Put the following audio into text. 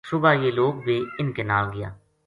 صبح یہ لوک بھی اِنھ کے نال گیا